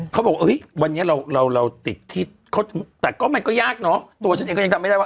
เขาบอกไอ้วันนี้เราเราเราติดพิษทักรมก็ยากหนอตัวนี้กลับไม่ได้ว่า